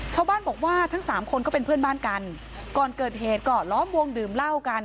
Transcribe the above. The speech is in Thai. ชาวบ้านบอกว่าทั้งสามคนก็เป็นเพื่อนบ้านกันก่อนเกิดเหตุก็ล้อมวงดื่มเหล้ากัน